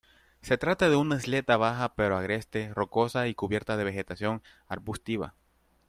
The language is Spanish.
Se trata de una isleta baja pero agreste, rocosa y cubierta de vegetación arbustiva.